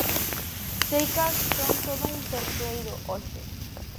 Seica son todo un persoeiro, hoxe.